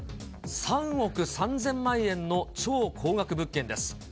３億３０００万円の超高額物件です。